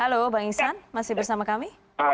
halo bang isan masih bersama kami